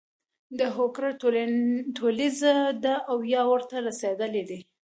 دا هوکړه ټولیزه ده او یا ورته رسیدلي دي.